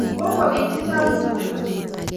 Kopwa piik chechang' tumndo